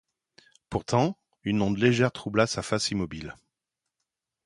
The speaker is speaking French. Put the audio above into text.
Pourtant, une onde légère troubla sa face immobile.